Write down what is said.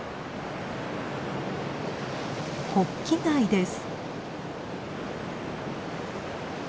ホッキ貝です。